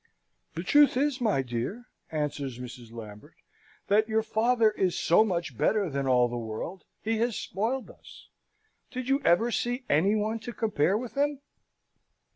"The truth is, my dear," answers Mrs. Lambert, "that your father is so much better than all the world, he has spoiled us. Did you ever see any one to compare with him?"